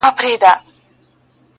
نه يوه بل ته په زور تسليمېدله٫